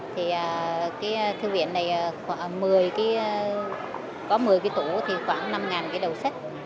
thì thư viện này có một mươi cái tủ khoảng năm cái đầu sách